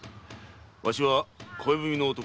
わしは恋文の男